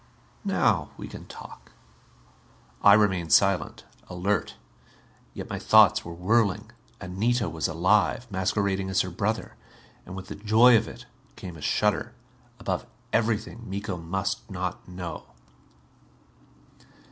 "Now we can talk." I remained silent. Alert. Yet my thoughts were whirling. Anita was alive. Masquerading as her brother. And, with the joy of it, came a shudder. Above everything, Miko must not know.